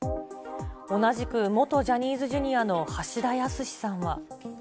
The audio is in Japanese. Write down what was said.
同じく元ジャニーズＪｒ．の橋田康さんは。